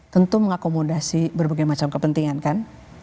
tentu mengakomodasi berbagai macam kepentingan kan